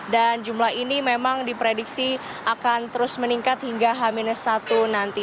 dan jumlah ini memang diprediksi akan terus meningkat hingga h satu nanti